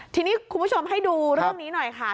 ทีนี้คุณผู้ชมให้ดูเรื่องนี้หน่อยค่ะ